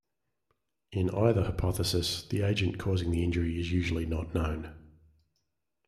In either hypothesis, the agent causing the injury is usually not known.